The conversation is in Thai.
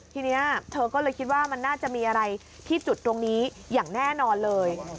ทีนี้เธอก็เลยคิดว่ามันน่าจะมีอะไรที่จุดตรงนี้อย่างแน่นอนเลย